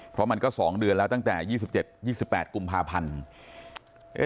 เพราะมันก็๒เดือนแล้วตั้งแต่๒๗๒๘กุมภาพันธ์